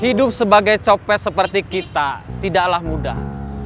hidup sebagai copet seperti kita tidaklah mudah